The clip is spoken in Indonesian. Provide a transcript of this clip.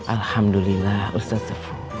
alhamdulillah ustaz tufu